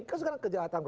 kan sekarang kejahatan